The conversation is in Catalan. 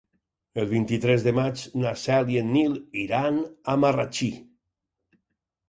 El vint-i-tres de maig na Cel i en Nil iran a Marratxí.